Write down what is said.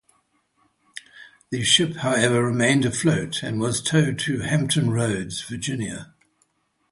The ship, however, remained afloat and was towed to Hampton Roads, Virginia.